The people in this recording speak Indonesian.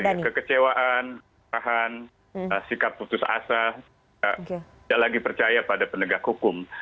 ya betul sekali kekecewaan kekerahan sikap putus asa tidak lagi percaya pada penegak hukum